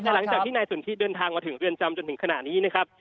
แต่หลังจากที่นายสนทิเดินทางมาถึงเรือนจำจนถึงขณะนี้นะครับ